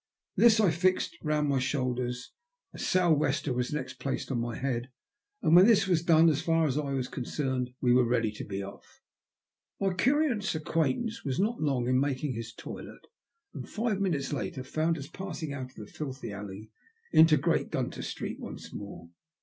This I fixed round my shoulders. A sou'wester was next placed upon my head, and when this was done, as far as I was concerned, we were ready to be off. My curious acquaintance was not long in making his toilet, and five minutes later found us passing out of the filthy alley into Great Gunter Street once more.